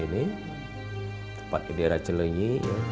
di daerah celenyi